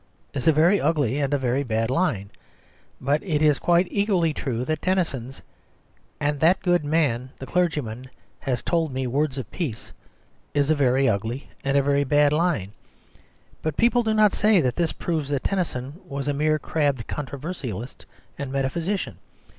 is a very ugly and a very bad line. But it is quite equally true that Tennyson's "And that good man, the clergyman, has told me words of peace," is a very ugly and a very bad line. But people do not say that this proves that Tennyson was a mere crabbed controversialist and metaphysician.